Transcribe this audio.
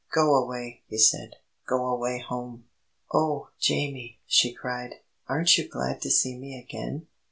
"Go away!" he said. "Go away home!" "Oh, Jamie!" she cried; "aren't you glad to see me again?"